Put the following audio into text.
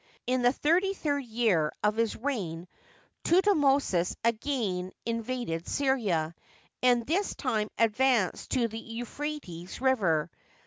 In the thirty third year of his reign Thutmosis again in vaded Syria, and tnis time advanced to the Euphrates River.